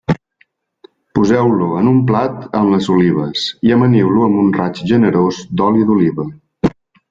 Poseu-lo en un plat amb les olives i amaniu-lo amb un raig generós d'oli d'oliva.